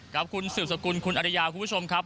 ครับคุณสืบสกุลคุณอริยาคุณผู้ชมครับ